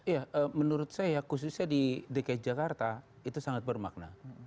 ya menurut saya khususnya di dki jakarta itu sangat bermakna